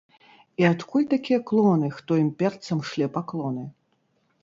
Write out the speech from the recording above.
І адкуль такія клоны, хто імперцам шле паклоны?